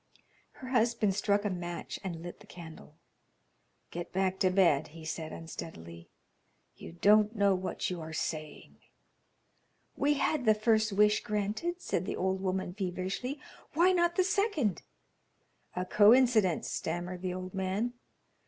Her husband struck a match and lit the candle. "Get back to bed," he said, unsteadily. "You don't know what you are saying." "We had the first wish granted," said the old woman, feverishly; "why not the second?" "A coincidence," stammered the old man.